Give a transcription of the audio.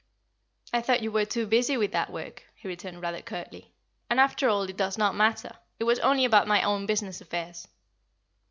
"I thought you were too busy with that work," he returned, rather curtly; "and, after all, it does not matter. It was only about my own business affairs."